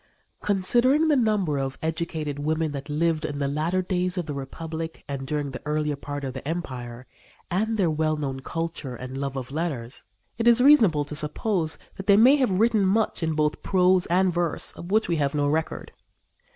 Considering the number of educated women that lived in the latter days of the Republic and during the earlier part of the Empire, and their well known culture and love of letters, it is reasonable to suppose that they may have written much in both prose and verse of which we have no record.